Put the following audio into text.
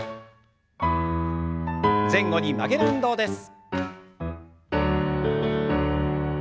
前後に曲げる運動です。